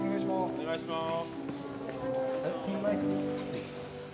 ・お願いします。